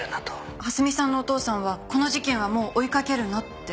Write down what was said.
蓮見さんのお父さんは「この事件はもう追いかけるな」って。